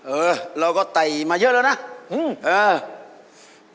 เออเราก็ไต่มาเยอะแล้วนะ